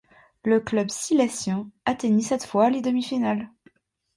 Le club silésien atteignit cette fois les demi-finales.